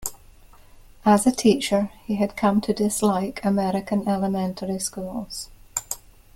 As a teacher, he had come to dislike American elementary schools.